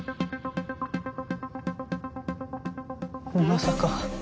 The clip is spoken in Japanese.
まさか。